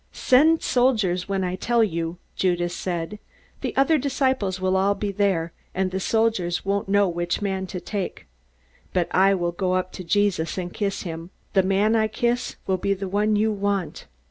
"Send soldiers when I tell you," Judas said. "The other disciples will all be there, and the soldiers won't know which man to take. But I will go up to Jesus and kiss him. The man I kiss will be the one you want."